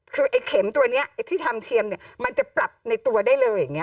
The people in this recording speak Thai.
คือไอ้เข็มตัวนี้ไอ้ที่ทำเทียมเนี่ยมันจะปรับในตัวได้เลยอย่างนี้